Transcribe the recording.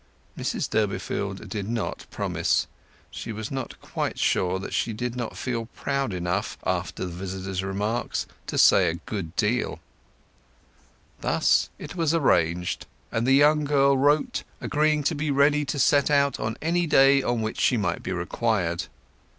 Mrs Durbeyfield did not promise. She was not quite sure that she did not feel proud enough, after the visitor's remarks, to say a good deal. Thus it was arranged; and the young girl wrote, agreeing to be ready to set out on any day on which she might be required.